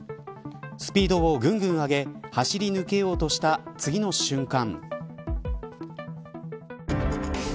スピードをぐんぐん上げ走り抜けようとした次の瞬間。